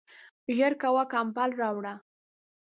ژر کوه ، کمپل راوړه !